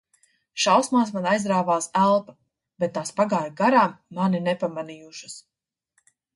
Šausmās man aizrāvās elpa, bet tās pagāja garām mani nepamanījušas.